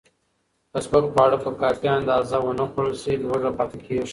که سپک خواړه په کافي اندازه ونه خورل شي، لوږه پاتې کېږي.